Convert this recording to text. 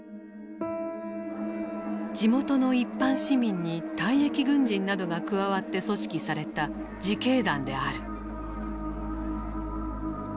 地元の一般市民に退役軍人などが加わって組織された自警団である。